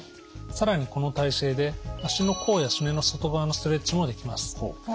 更にこの体勢で足の甲やすねの外側のストレッチもできます。